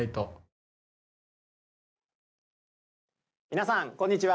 皆さん、こんにちは。